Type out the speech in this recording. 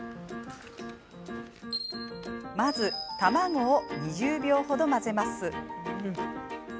まず、卵を２０秒程混ぜます。